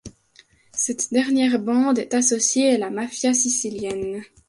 Cette dernière bande est associée à la mafia sicilienne...